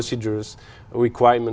dễ dàng hơn